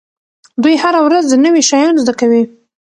دوی هره ورځ نوي شیان زده کوي.